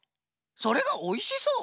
それがおいしそう？